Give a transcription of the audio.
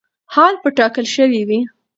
حل به ټاکل شوی وي.